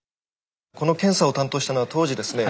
この検査を担当したのは当時ですね